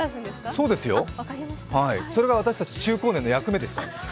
そうですよ、それが私たち中高年の役目ですから。